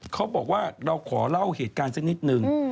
เขาบอกว่าเราขอเล่าเหตุการณ์สักนิดนึง